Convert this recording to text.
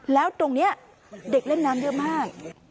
แล้วตรงนี้เด็กเล่นน้ำเยอะมาก